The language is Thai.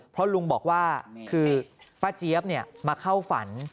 เพราะลุงบอกว่าคือป้าเจี๊ยบมาเข้าฝัน